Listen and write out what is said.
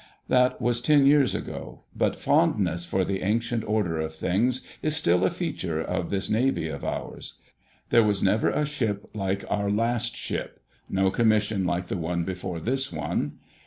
That was ten years ago, but fondness for the ancient order of things is still a feature of this Navy of ours. There was never a ship like our last ship: no commission like the one before this one.